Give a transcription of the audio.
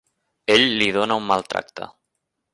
Ell li dona un mal tracte.